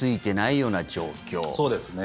そうですね。